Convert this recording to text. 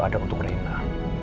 ada untuk reina